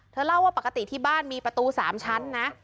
เล่าว่าปกติที่บ้านมีประตู๓ชั้นนะ